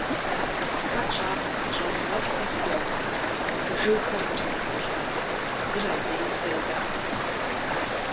Куэд щӀакъым щӀэныгъэлӀхэм къызэрахутэрэ - жыгхэр «зэрызэпсалъэфыр», зыр адрейм зэрыдэӀэпыкъуфыр.